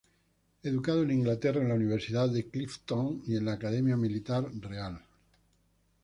Educado en Inglaterra en la universidad de Clifton y en la academia militar real.